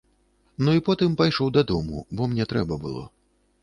Ну і потым пайшоў дадому, бо мне трэба было.